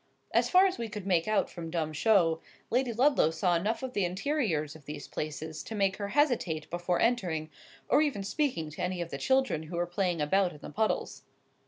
As far as we could make out from dumb show, Lady Ludlow saw enough of the interiors of these places to make her hesitate before entering, or even speaking to any of the children who were playing about in the puddles.